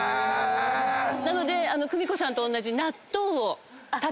なので久美子さんと同じ。